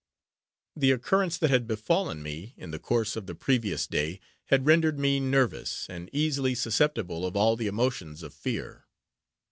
The occurrence that had befallen me, in the course of the previous day, had rendered me nervous, and easily susceptible of all the emotions of fear.